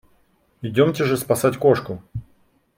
Идемте же спасать кошку!